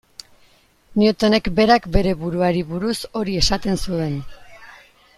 Newtonek berak bere buruari buruz hori esaten zuen.